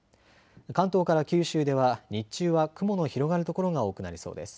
関東から九州では日中は雲の広がる所が多くなりそうです。